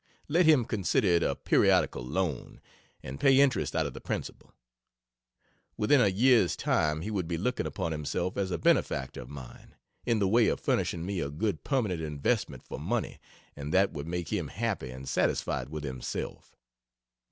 Let him consider it a periodical loan, and pay interest out of the principal. Within a year's time he would be looking upon himself as a benefactor of mine, in the way of furnishing me a good permanent investment for money, and that would make him happy and satisfied with himself.